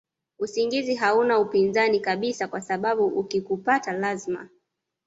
usingizi hauna upinzani kabisa kwasababu ukikupata lazima